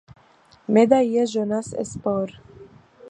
Médaillé jeunesse et sports.